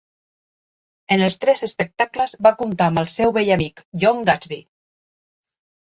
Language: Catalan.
En els tres espectacles va comptar amb el seu vell amic, Jon Gadsby